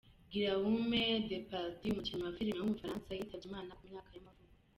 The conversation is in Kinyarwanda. Guillaume Depardieu, umukinnyi wa filime w’umufaransa yitabye Imana ku myaka y’amavuko.